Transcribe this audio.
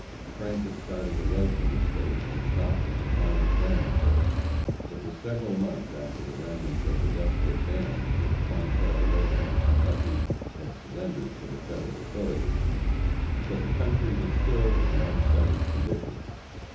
Frank had started away from the State and stopped at the town of Brandenburg. It was several months after the remnants of the desperate band which Quantrell led into Kentucky had surrendered to the Federal authorities. But the country was still in an unsettled condition.